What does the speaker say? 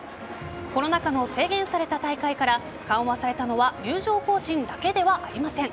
コロナ禍の制限された大会から緩和されたのは入場行進だけではありません。